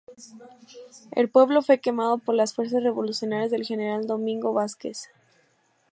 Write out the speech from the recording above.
El pueblo fue quemado por las fuerzas revolucionarias del general Domingo Vásquez.